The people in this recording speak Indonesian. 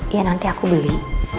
ya nanti aku beli